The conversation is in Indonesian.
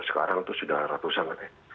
sekarang tuh sudah ratusan kan ya